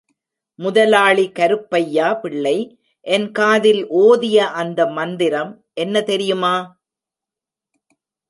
முதலாளி கருப்பையா பிள்ளை என் காதில் ஒதிய அந்த மந்திரம் என்ன தெரியுமா?